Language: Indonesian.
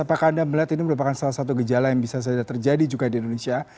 apakah anda melihat ini merupakan salah satu gejala yang bisa saja terjadi juga di indonesia